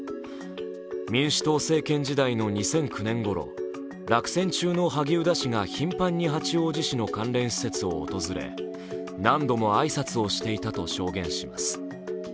民主党政権時代の２００９年ごろ、落選中の萩生田氏が頻繁に八王子市の関連施設を訪れ、何度も挨拶をしていたと証言します。